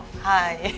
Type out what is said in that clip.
はい。